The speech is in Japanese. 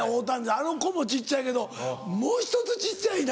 あの子も小っちゃいけどもう１つ小っちゃいな。